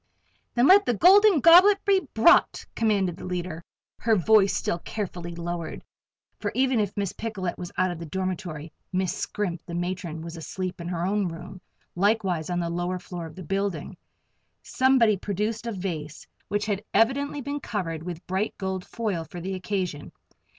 "Then let the Golden Goblet be brought," commanded the leader, her voice still carefully lowered, for even if Miss Picolet was out of the dormitory, Miss Scrimp, the matron, was asleep in her own room, likewise on the lower floor of the building. Somebody produced a vase which had evidently been covered with bright gold foil for the occasion.